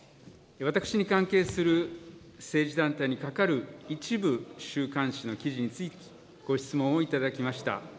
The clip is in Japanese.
私に関係する政治団体にかかる一部週刊誌の記事についてご質問を頂きました。